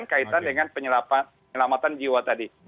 kaitan dengan penyelamatan jiwa tadi